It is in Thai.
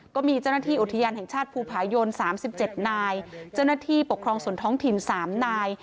ก็มีเจ้าหน้าที่อุทยานแห่งชาติภูผายน๓๗นายเจ้าหน้าที่ปกครองส่วนท้องถิ่น๓นาย